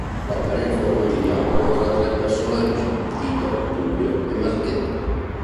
L'opera è in forma di dialogo fra tre personaggi: Tito, Publio e Marchetto.